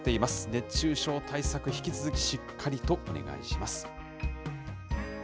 熱中症対策、引き続きしっかりとお願いします。